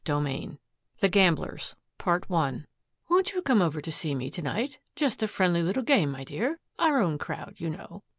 CHAPTER IV THE GAMBLERS "Won't you come over to see me to night? Just a friendly little game, my dear our own crowd, you know."